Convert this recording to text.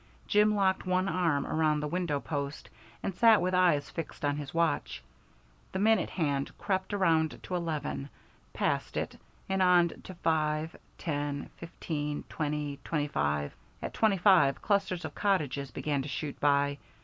Jim locked one arm around the window post, and sat with eyes fixed on his watch. The minute hand crept around to eleven, passed it, and on to five, ten, fifteen, twenty, twenty five. At thirty five clusters of cottages began to shoot by.